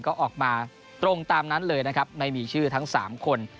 ก็ออกมาตรงตามนั้นเลยนะครับไม่มีชื่อทั้ง๓คน